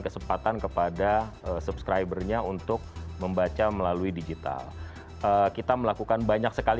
kesempatan kepada subscribernya untuk membaca melalui digital kita melakukan banyak sekali